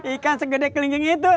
ikan segede kelingging itu